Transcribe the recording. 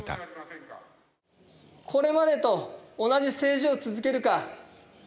これまでと同じ政治を続けるか。